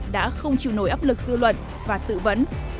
đã không chịu nổi áp lực dư luận và tự vẫn